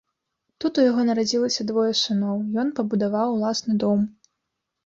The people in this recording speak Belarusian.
Тут у яго нарадзілася двое сыноў, ён пабудаваў уласны дом.